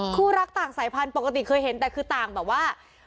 คู่รักต่างสายพันธุ์ปกติเคยเห็นแต่คือต่างแบบว่า